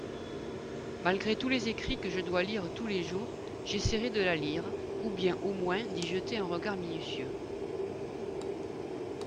Malgré tous les écrits que je dois lire tous les jours j’essaierai de la lire, ou bien au moins d’y jeter un regard minutieux.